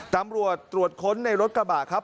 ตำรวจตรวจค้นในรถกระบะครับ